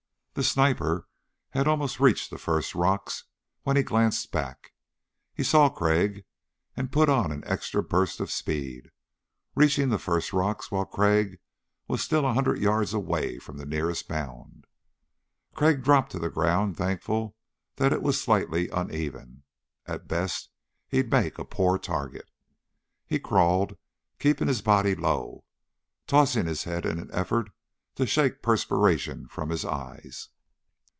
The sniper had almost reached the first rocks when he glanced back. He saw Crag and put on an extra burst of speed, reaching the first rocks while Crag was still a hundred yards from the nearest mound. Crag dropped to the ground, thankful that it was slightly uneven. At best he'd make a poor target. He crawled, keeping his body low, tossing his head in an effort to shake the perspiration from his eyes.